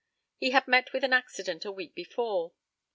He had met with an accident a week before.